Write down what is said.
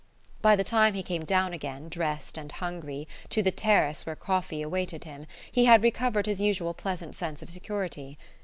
By the time he came down again, dressed and hungry, to the terrace where coffee awaited him, he had recovered his usual pleasant sense of security.